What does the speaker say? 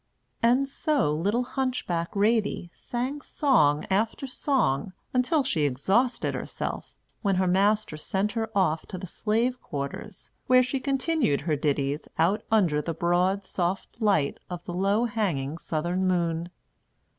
And so little hunchback Ratie sang song after song, until she exhausted herself; when her master sent her off to the slave quarters, where she continued her ditties out under the broad, soft light of the low hanging southern moon.